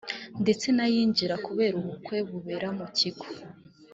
ndetse n’ayinjira kubera ubukwe bubera mu kigo